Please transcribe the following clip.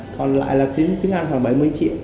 còn lại là tiếng anh khoảng bảy mươi triệu